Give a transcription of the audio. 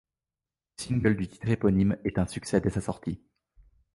Le single du titre éponyme est un succès dès sa sortie.